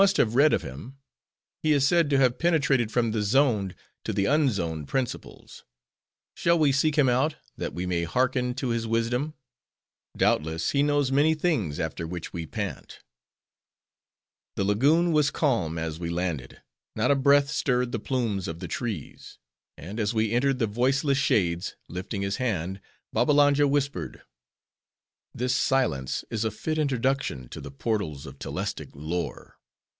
"My lord, you must have read of him. He is said to have penetrated from the zoned, to the unzoned principles. Shall we seek him out, that we may hearken to his wisdom? Doubtless he knows many things, after which we pant." The lagoon was calm, as we landed; not a breath stirred the plumes of the trees; and as we entered the voiceless shades, lifting his hand, Babbalanja whispered:—"This silence is a fit introduction to the portals of Telestic lore.